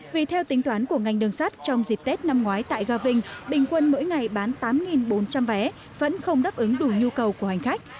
vì theo tính toán của ngành đường sắt trong dịp tết năm ngoái tại gà vinh bình quân mỗi ngày bán tám bốn trăm linh vé vẫn không đáp ứng đủ nhu cầu của hành khách